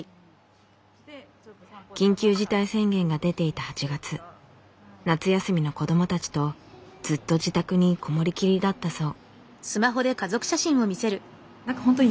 緊急事態宣言が出ていた８月夏休みの子どもたちとずっと自宅にこもりきりだったそう。